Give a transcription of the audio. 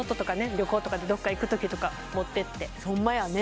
旅行とかでどっか行くときとか持ってってホンマやね